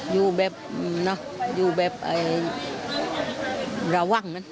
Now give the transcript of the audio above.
อยู่แบบระวัง